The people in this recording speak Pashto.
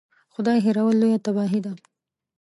خدای هېرول لویه تباهي ده.